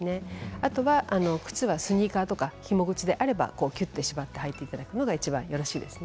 あとは靴はスニーカーとかひも靴であればきゅっと締めて履いていただくのがいいですね。